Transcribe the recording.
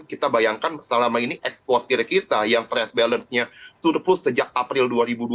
kita bayangkan selama ini eksportir kita yang trade balance nya surplus sejak april dua ribu dua puluh